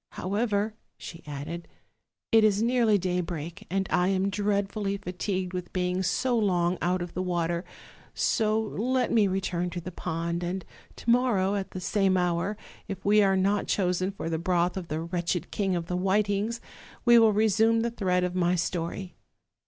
However," she added, "it is nearly daybreak, and I am dreadfully fatigued with being so long out of the water; so let me return to the pond, and to morrow, at the same hour, if we are not chosen for the broth of the wretched King of the Whitings, we will resume the thread of my etory.